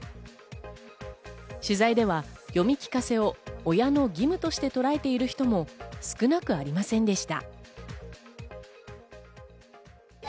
取材では読み聞かせを親の義務としてとらえている人も少なくありませんでした。